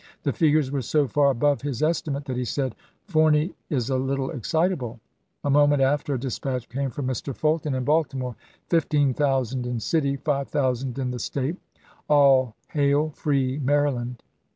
The figures were so far above his estimate that he said, "Forney is a little excitable." A moment after a dispatch came from Mr. Fulton in Baltimore, " 15,000 in the city, 5000 in the State. All hail, free Maryland